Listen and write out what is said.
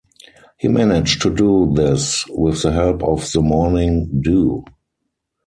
He managed to do this with the help of the morning dew.